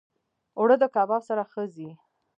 اوړه د کباب سره ښه ځي